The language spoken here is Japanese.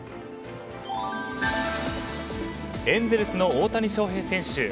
エンゼルスの大谷翔平選手。